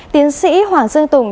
tiến sĩ hoàng dương tùng